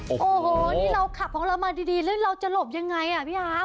โอ้โหนี่เราขับของเรามาดีแล้วเราจะหลบยังไงอ่ะพี่อาร์ฟ